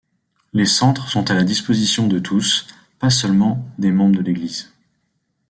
Les centres sont à la disposition de tous, pas seulement des membres de l'Église.